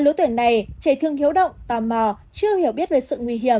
lứa tuổi này trẻ thương hiếu động tò mò chưa hiểu biết về sự nguy hiểm